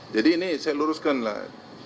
jadi ini saya luruskan lah